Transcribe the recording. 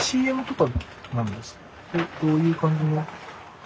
どういう感じの？